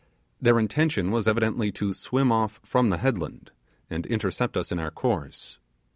Their intention was evidently to swim off from the headland and intercept us in our course.